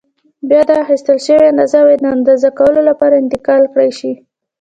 بیا دا اخیستل شوې اندازه باید د اندازه کولو لپاره انتقال کړای شي.